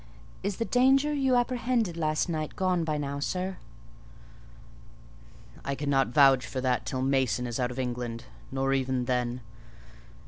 "Is the danger you apprehended last night gone by now, sir?" "I cannot vouch for that till Mason is out of England: nor even then.